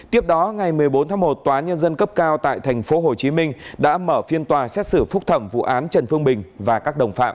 tiếp đó ngày một mươi bốn tháng một tòa án nhân dân tp hcm đã mở phiên tòa xét xử phúc thẩm vụ án trần phương bình và các đồng phạm